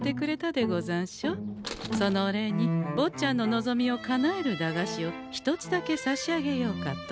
そのお礼にぼっちゃんの望みをかなえる駄菓子を１つだけ差し上げようかと。